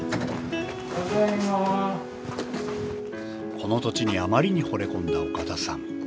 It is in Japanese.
この土地にあまりにほれ込んだ岡田さん。